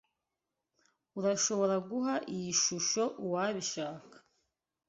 Urashobora guha iyi shusho uwabishaka.